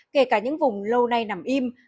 kể cả những vùng lâu nay nằm im